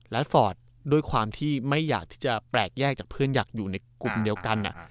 ฟอร์ตด้วยความที่ไม่อยากที่จะแปลกแยกจากเพื่อนอยากอยู่ในกลุ่มเดียวกัน